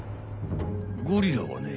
ゴリラはね